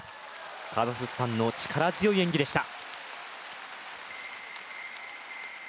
カザフスタンの力強い演技でした。